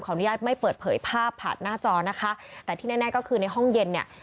อนุญาตไม่เปิดเผยภาพผ่านหน้าจอนะคะแต่ที่แน่ก็คือในห้องเย็นเนี่ย